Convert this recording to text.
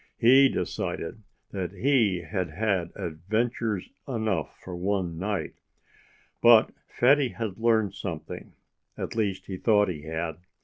He decided that he had had adventures enough for one night. But Fatty had learned something at least he thought he had.